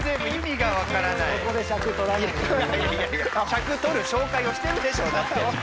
尺取る紹介をしてるでしょうだって。